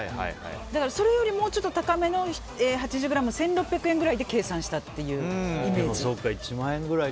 だからそれよりもうちょっと高めの８０ｇ１６００円くらいで計算したっていうイメージ。